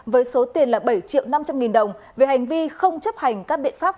với số tiền là bảy triệu năm trăm linh nghìn đồng về hành vi không chấp hành các biện pháp